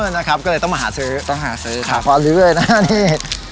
นะครับก็เลยต้องมาหาซื้อต้องหาซื้อครับขอลื้อเลยนะนี่